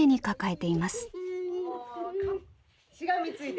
しがみついて。